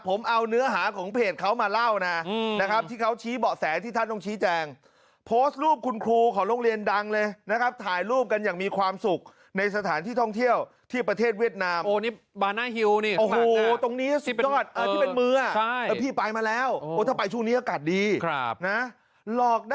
ผมเอาเนื้อหาของเพจเขามาเล่านะ